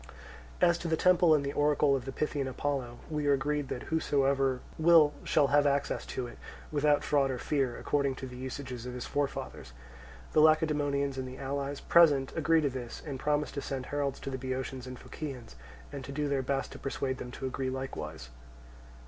As to the temple and oracle of the Pythian Apollo, we are agreed that whosoever will shall have access to it, without fraud or fear, according to the usages of his forefathers. The Lacedaemonians and the allies present agree to this, and promise to send heralds to the Boeotians and Phocians, and to do their best to persuade them to agree likewise. 2.